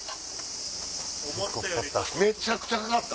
めちゃくちゃかかった。